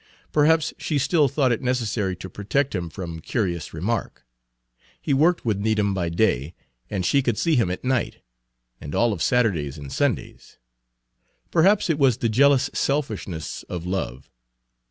Perhaps she still thought it necessary to protect him from curious remark. He worked with Needham by day, and she could see him at night, and all of Saturdays and Sundays. Perhaps it was the jealous selfishness of love.